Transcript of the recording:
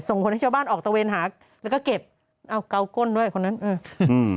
คนให้ชาวบ้านออกตะเวนหาแล้วก็เก็บเอาเกาก้นด้วยคนนั้นเอออืม